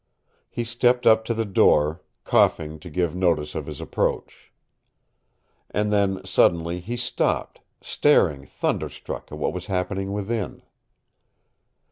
He stepped up to the door, coughing to give notice of his approach. And then, suddenly, he stopped, staring thunderstruck at what was happening within.